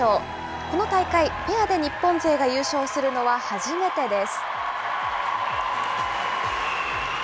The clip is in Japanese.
この大会、ペアで日本勢が優勝するのは初めてです。